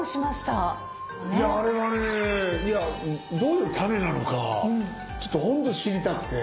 いやあれはねどういうタネなのかちょっと本当知りたくて。